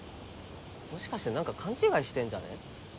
もしかして何か勘違いしてんじゃね？